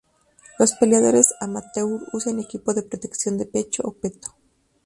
Los peleadores amateur usan equipo de protección de pecho o peto.